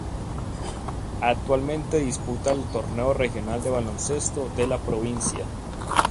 Actualmente disputa el Torneo Regional de baloncesto de la provincia.